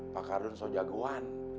pak cardun so jagoan